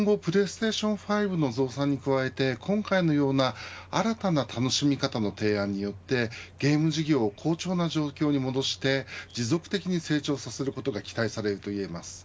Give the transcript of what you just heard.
今後ＰｌａｙＳｔａｔｉｏｎ５の増産に加えて今回のような新たな楽しみ方の提案によってゲーム事業を好調な状況に戻して持続的に成長させることが期待されるといえます。